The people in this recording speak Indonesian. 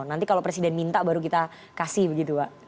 nanti kalau presiden minta baru kita kasih begitu pak